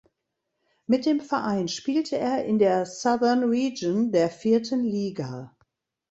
Mit dem Verein spielte er in der Southern Region der vierten Liga.